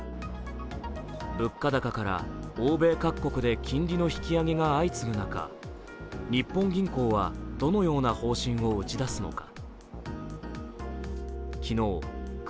物価高から欧米各国で金利の引き上げが相次ぐ中、日本銀行はどのような方針を打ち出すのか。